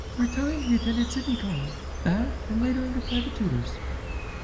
For a time he attended Sydney College, Bath and later under private tutors.